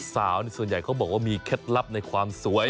ส่วนใหญ่เขาบอกว่ามีเคล็ดลับในความสวย